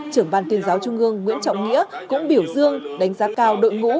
trưởng ban tuyên giáo trung ương nguyễn trọng nghĩa cũng biểu dương đánh giá cao đội ngũ